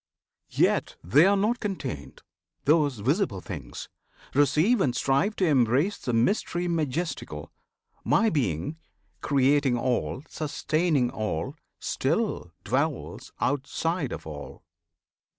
Yet they are not contained, Those visible things! Receive and strive to embrace The mystery majestical! My Being Creating all, sustaining all still dwells Outside of all!